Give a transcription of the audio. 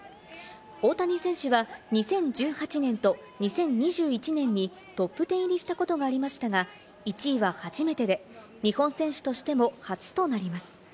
大谷選手は２０１８年と２０２１年にトップ１０入りしたことがありましたが、１位は初めてで日本選手としても初となります。